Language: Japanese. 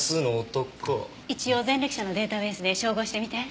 一応前歴者のデータベースで照合してみて。